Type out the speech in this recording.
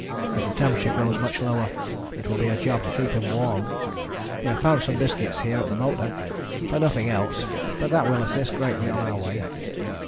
If the temperature goes much lower it will be a job to keep him warm. We have found some biscuits here at the motor but nothing else, but that will assist greatly on our way.